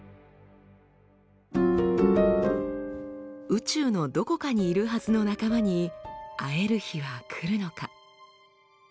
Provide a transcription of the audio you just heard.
宇宙のどこかにいるはずの仲間に会える日は来るのか？